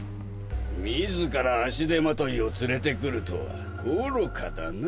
自ら足手まといを連れてくるとは愚かだな。